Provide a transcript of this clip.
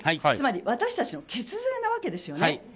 つまり私たちの血税なわけですよね。